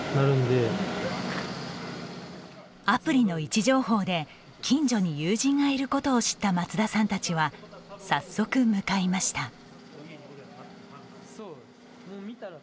アプリの位置情報で近所に友人がいることを知った松田さんたちは早速向かいました。